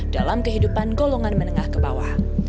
dalam kehidupan golongan menengah ke bawah